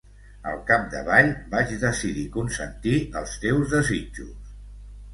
Al capdavall vaig decidir consentir els teus desitjos.